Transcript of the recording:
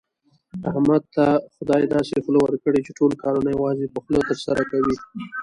احمد ته خدای داسې خوله ورکړې، چې ټول کارونه یوازې په خوله ترسره کوي.